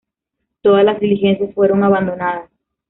Todas las diligencias fueron abandonadas.